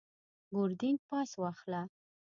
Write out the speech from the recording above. بوردینګ پاس واخله.